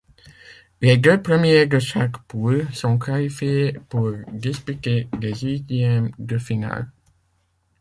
Les deux premiers de chaque poule sont qualifiés pour disputer des huitièmes de finale.